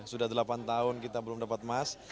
sudah delapan tahun kita belum dapat emas